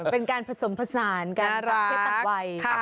เป็นการผสมผสานกันครับเพศตักวัย